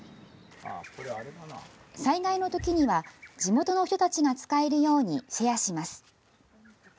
災害のときには、地元の人たちが使えるようにシェアします。